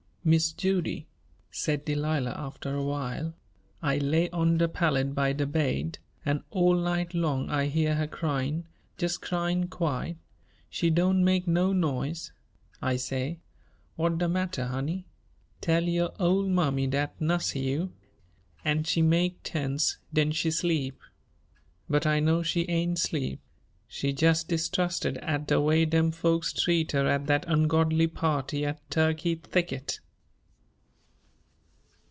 "Mise Judy," said Delilah, after a while, "I lay on de pallet by de baid, an' all night long I heah her cryin', jes' cryin' quiet she doan' make no noise. I say: 'What de matter, honey? Tell yo' ole mammy dat nuss you?' an' she make 'tense den she 'sleep. But I know she ain' 'sleep she jest distrusted at de way dem folks treat her at that ungordly party at Tuckey Thicket."